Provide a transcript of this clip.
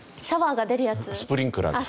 スプリンクラーですか？